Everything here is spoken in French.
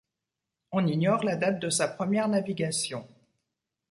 On ignore la date de sa première navigation.